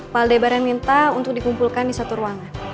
pak aldebaran minta untuk dikumpulkan di satu ruangan